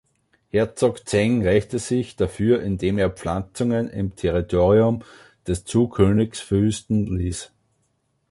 Herzog Zheng rächte sich dafür, indem er Pflanzungen im Territorium des Zhou-Königs verwüsten ließ.